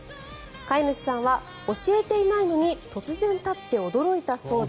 飼い主さんは教えていないのに突然立って驚いたそうで。